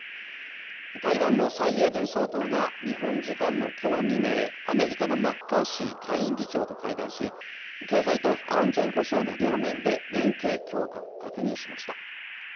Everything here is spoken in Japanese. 台湾の蔡英文総統が日本時間の今日未明、アメリカのマッカーシー下院議長と会談し、経済と安全保障の両面で連携強化を確認しました。